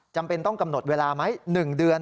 จำเป็นต้องกำหนดเวลาไหม๑เดือน